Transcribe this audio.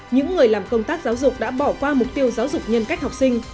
những người làm công tác giáo dục đã bỏ qua mục tiêu giáo dục nhân cách học sinh